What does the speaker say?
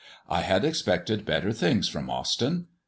I had expected better things from Austyn.